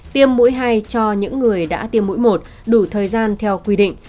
tiêm mỗi hai cho những người đã tiêm mỗi một đủ thời gian theo quy định